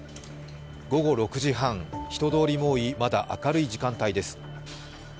午後６時半、人通りも多いまだ明るい時間帯です。